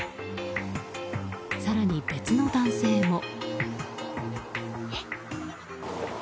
更に別の男性も。